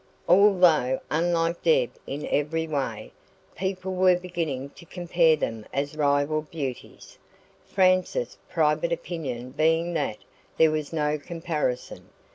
Although unlike Deb in every way, people were beginning to compare them as rival beauties Frances' private opinion being that there was no comparison.